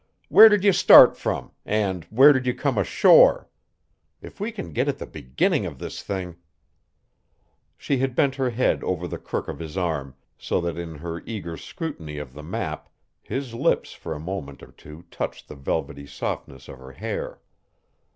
"Where did you start from, and where did you come ashore? If we can get at the beginning of the thing " She had bent her head over the crook of his arm, so that in her eager scrutiny of the map his lips for a moment or two touched the velvety softness of her hair.